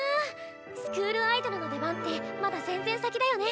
スクールアイドルの出番ってまだ全然先だよね。